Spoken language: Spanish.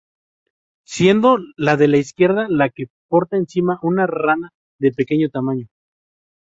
Siendo la de la izquierda la que porta encima una rana de pequeño tamaño.